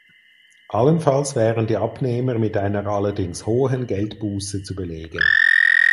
Allenfalls wären die Abnehmer mit einer allerdings hohen Geldbuße zu belegen.